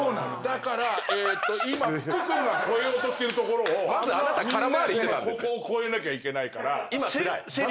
だから今福君が越えようとしてる所をここを越えなきゃいけないから。